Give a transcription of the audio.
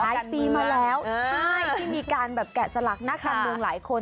ปีมาแล้วใช่ที่มีการแบบแกะสลักนักการเมืองหลายคน